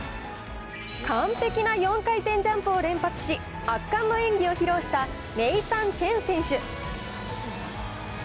完璧な４回転ジャンプを連発し、圧巻の演技を披露したネイサン・チェン選手。